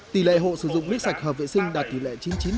tỷ lệ hộ sử dụng nước sạch hợp vệ sinh đạt tỷ lệ chín mươi chín